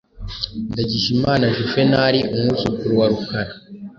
Ndagijimana Juvenal, umwuzukuru wa Rukara